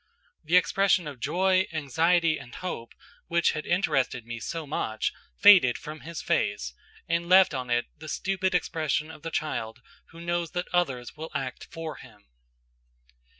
The expression of joy, anxiety, and hope, which had interested me so much faded from his face and left on it the stupid expression of the child who knows that others will act for him.